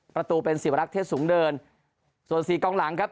ประตูเป็นสิวรักษ์เทศสูงเดินส่วนสี่กองหลังครับ